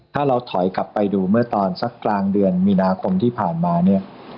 ถ้าเราถอยกลับไปดูเมื่อตอนสักกลางเดือนมีนาคมที่ผ่านมาเนี่ย